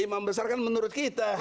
imam besar kan menurut kita